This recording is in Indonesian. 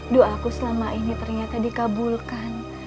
doaku selama ini ternyata dikabulkan